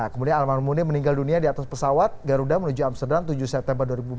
kemudian almarhum muni meninggal dunia di atas pesawat garuda menuju amsterdam tujuh september dua ribu empat belas